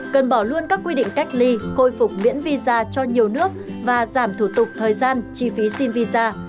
cần bỏ luôn các quy định cách ly khôi phục miễn visa cho nhiều nước và giảm thủ tục thời gian chi phí xin visa